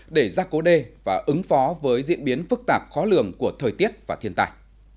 để giác cố đê và ứng phó với diễn biến phức tạp khó lường của thời tiết và thiên tài